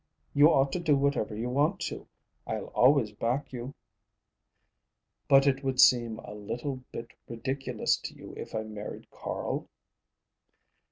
You ought to do whatever you want to. I'll always back you." "But it would seem a little bit ridiculous to you if I married Carl?"